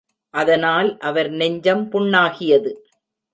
அதனால் அவர் நெஞ்சம் புண்ணாகியது.